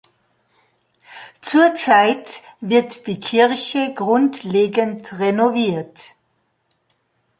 Zurzeit wird die Kirche grundlegend renoviert.